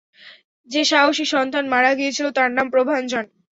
যে সাহসী সন্তান মারা গিয়েছিল তার নাম প্রভাঞ্জন।